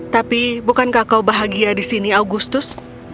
tapi bukankah kau bahagia di sini augustus